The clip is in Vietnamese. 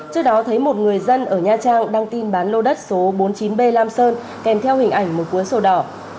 trước đó thấy một người dân ở nha trang đăng tin bán lô đất số bốn mươi chín b lam sơn kèm theo hình ảnh một cuốn sổ đỏ